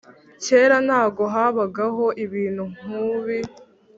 Kera ntago habagaho ibintu nkubi